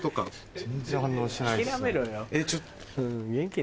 全然反応しないですね。